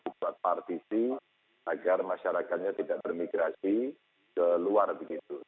buat partisi agar masyarakatnya tidak bermigrasi ke luar begitu